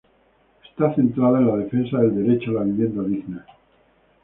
Está centrada en la defensa del Derecho a la vivienda digna.